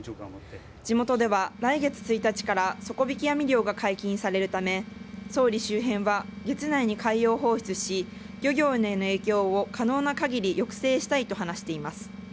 地元では、来月１日から底引き網漁が解禁されるため、総理周辺は月内に海洋放出し、漁業への影響を可能なかぎり抑制したいと話しています。